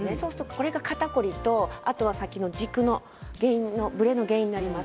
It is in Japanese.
それが肩凝りとさっきの軸の原因ぶれる原因になります。